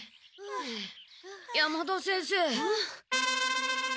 山田先生。